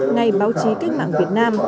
ngày báo chí cách mạng việt nam